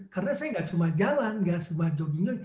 karena saya tidak cuma jalan tidak cuma jogging